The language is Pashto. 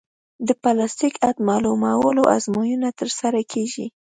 د پلاستیک حد معلومولو ازموینه ترسره کیږي